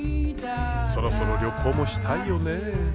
そろそろ旅行もしたいよねえ。